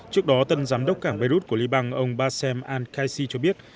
trước đó tân giám đốc cảng beirut của libang ông bassem al khaissi cho biết